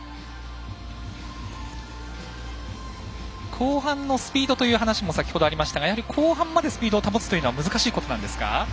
後半のスピードという話も先ほど、ありましたがやはり、後半までスピードを保つというのは難しいことなんですか？